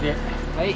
はい。